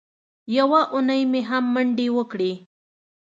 یوه اونۍ مې هم منډې وکړې.